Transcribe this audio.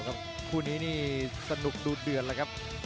คู่นี้นี่สนุกดูเดือดแล้วครับ